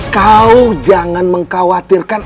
kau jangan mengkhawatirkan